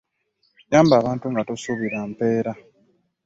Yamba abantu nga tosuubira mpeera.